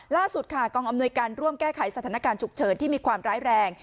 ล่าสุดค่ะกองอำนวยการร่วมแก้ไขสถานการณ์ฉุกเฉินที่มีความร้ายแรง